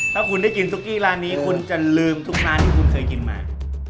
ถ้าคุณได้กินตุ๊กกี้ร้านนี้คุณจะลืมทุกร้านที่คุณเคยกินมา